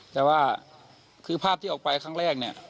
แต่ว่าคือภาพที่ออกไปครั้งแรกเนี่ย